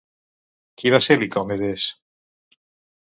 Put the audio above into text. Qui va ser Licomedes?